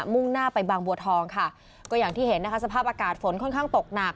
่งหน้าไปบางบัวทองค่ะก็อย่างที่เห็นนะคะสภาพอากาศฝนค่อนข้างตกหนัก